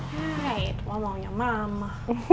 hai itu omongnya mama